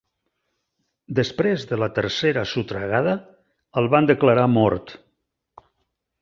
Després de la tercera sotragada, el van declarar mort.